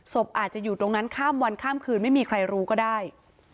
ศพอาจจะอยู่ตรงนั้นข้ามวันข้ามคืนไม่มีใครรู้ก็ได้